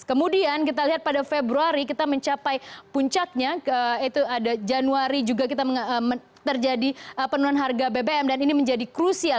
kemudian kita lihat pada februari kita mencapai puncaknya itu ada januari juga kita terjadi penurunan harga bbm dan ini menjadi krusial